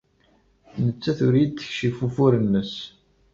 Nettat ur iyi-d-tekcif ufur-nnes.